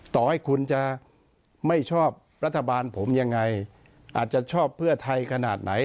ต่อให้คุณจะไม่ชอบรัฐบาลผมยังไงอาจจะชอบเพื่อไทยขนาดไหน